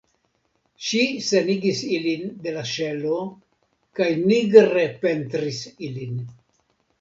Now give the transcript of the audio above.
Ŝi senigis ilin de la ŝelo kaj nigre pentris ilin.